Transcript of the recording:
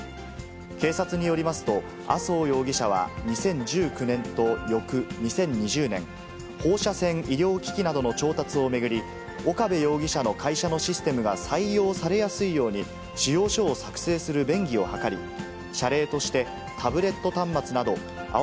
警察によりますと、麻生容疑者は２０１９年と翌２０２０年、放射線医療機器などの調達を巡り、岡部容疑者の会社のシステムが採用されやすいように、仕様書を作成する便宜を図り、謝礼としてタブレット端末など、以上、